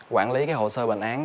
quản lý hồ sơ bệnh án